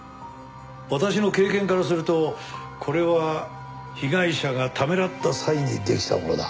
私の経験からするとこれは被害者がためらった際にできたものだ。